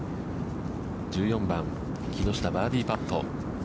１４番、木下、バーディーパット。